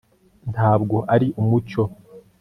ntabwo ari umucyo